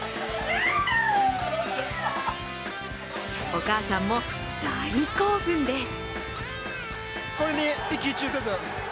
お母さんも大興奮です。